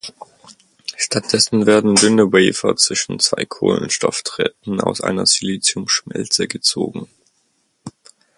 Stattdessen werden dünne Wafer zwischen zwei Kohlenstoff-Drähten aus einer Silicium-Schmelze gezogen.